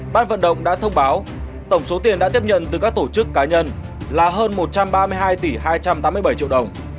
ban vận động đã thông báo tổng số tiền đã tiếp nhận từ các tổ chức cá nhân là hơn một trăm ba mươi hai tỷ hai trăm tám mươi bảy triệu đồng